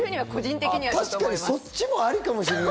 確かにそっちもあるかもしれない。